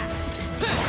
フッ！